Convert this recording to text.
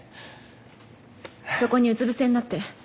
そこにうつ伏せになって。